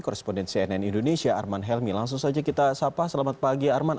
koresponden cnn indonesia arman helmi langsung saja kita sapa selamat pagi arman